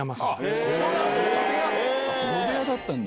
同部屋だったんだ。